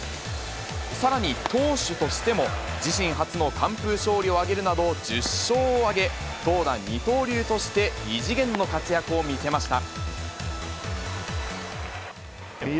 さらに、投手としても自身初の完封勝利を挙げるなど、１０勝を挙げ、投打二刀流として異次元の活躍を見せました。